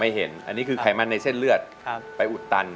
เห็นอันนี้คือไขมันในเส้นเลือดไปอุดตัน